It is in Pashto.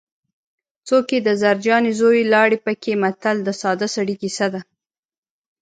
څوک یې د زرجانې زوی لاړې پکې متل د ساده سړي کیسه ده